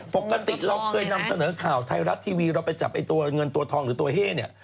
ปกติเราเคยนำเสนอข่าวไทยรัฐทีวีเราไปจับไอ้ตัวเงินตัวทองหรือตัวเฮ่เนี่ย